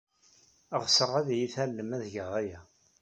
Ɣseɣ ad iyi-tallem ad geɣ aya.